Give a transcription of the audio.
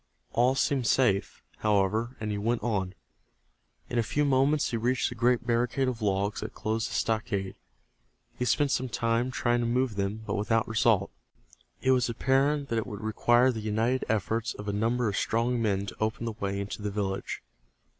All seemed safe, however, and he went on. In a few moments he reached the great barricade of logs that closed the stockade. He spent some time trying to move them, but without result. It was apparent that it would require the united efforts of a number of strong men to open the way into the village.